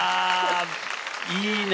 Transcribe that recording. いいね。